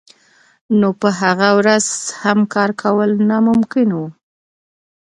نو په هغه ورځ هم کار کول ناممکن وو